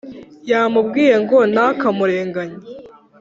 yamubwiye ngo ntakamurenganye